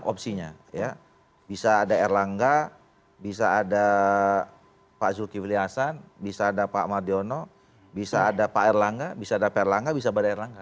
jadi opsinya bisa ada erlangga bisa ada pak zulkifli hasan bisa ada pak amadiono bisa ada pak erlangga bisa ada pak erlangga bisa ada pak erlangga